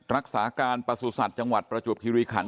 รักษาการประสุทธิ์จังหวัดประจวบคิริขัน